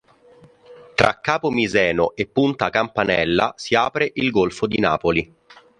Tra capo Miseno e punta Campanella si apre il Golfo di Napoli.